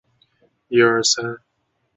现任国会主席。